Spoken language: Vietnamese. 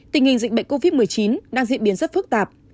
tình hình dịch bệnh covid một mươi chín đang diễn biến rất phức tạp